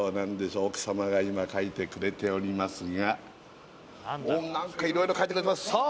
奥様が今書いてくれておりますがおっ何かいろいろ書いてくれてますさあ！